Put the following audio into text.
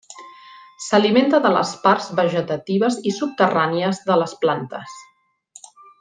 S'alimenta de les parts vegetatives i subterrànies de les plantes.